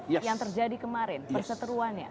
yang terjadi kemarin perseteruannya